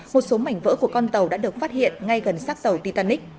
một số mảnh vỡ của con tàu đã được phát hiện ngay gần sắc tàu titanic